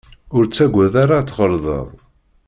Ur ttagad ara ad tɣelḍeḍ.